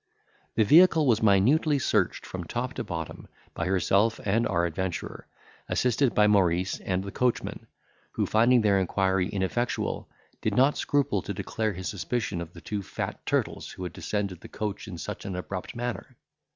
The vehicle was minutely searched from top to bottom, by herself and our adventurer, assisted by Maurice and the coachman, who, finding their inquiry ineffectual, did not scruple to declare his suspicion of the two fat turtles who had deserted the coach in such an abrupt manner.